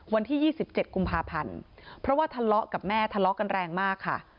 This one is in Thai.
วันที่๒๗กุมภาพันธ์เพราะว่าทะเลาะกับแม่ทะเลาะกันแรงมากค่ะ